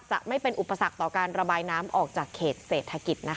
จะไม่เป็นอุปสรรคต่อการระบายน้ำออกจากเขตเศรษฐกิจนะคะ